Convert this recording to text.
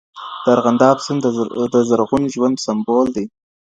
د ارغنداب سیند د زرغون ژوند سمبول دی.